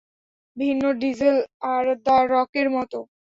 ভিন ডিজেল আর দ্য রকের মত।